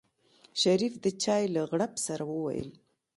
شريف د چای له غړپ سره وويل.